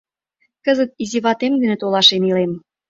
Кызыт изиватем дене толашен илем.